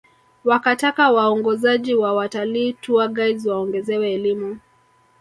Wakataka waongozaji wa watalii tour guides waongezewe elimu